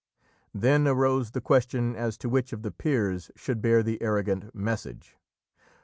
Then arose the question as to which of the peers should bear the arrogant message.